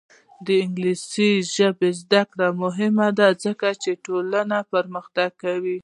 د انګلیسي ژبې زده کړه مهمه ده ځکه چې ټولنه پرمختګ کوي.